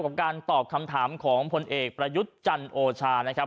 กับการตอบคำถามของพลเอกประยุทธ์จันโอชานะครับ